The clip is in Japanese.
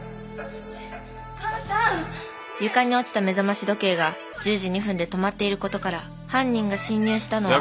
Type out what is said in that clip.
床に落ちた目覚まし時計が１０時２分で止まっていることから犯人が侵入したのは。